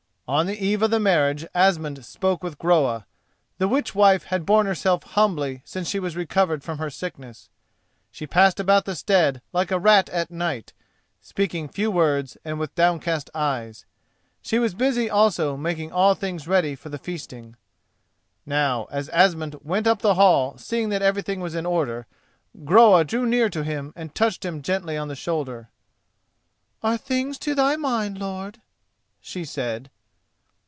On the eve of the marriage Asmund spoke with Groa. The witch wife had borne herself humbly since she was recovered from her sickness. She passed about the stead like a rat at night, speaking few words and with downcast eyes. She was busy also making all things ready for the feasting. Now as Asmund went up the hall seeing that everything was in order, Groa drew near to him and touched him gently on the shoulder. "Are things to thy mind, lord?" she said.